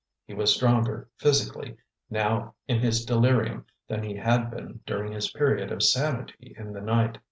He was stronger, physically, now in his delirium than he had been during his period of sanity in the night.